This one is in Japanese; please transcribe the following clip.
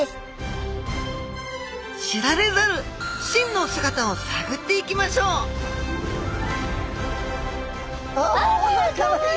知られざる真の姿をさぐっていきましょうあかわいい！